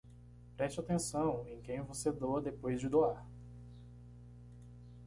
Preste atenção em quem você doa depois de doar